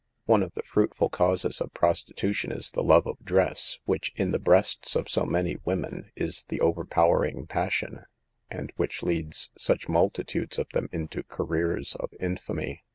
One of the fruitful causes of prostitution is the love of dress, which, in the breasts of so many women, is the overpowering passion and which leads such multitudes of them into careers of infamy.